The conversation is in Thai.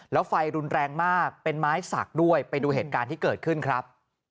แล้วไฟรุนแรงมากเป็นไม้สักด้วยไปดูเหตุการณ์ที่เกิดขึ้นครับ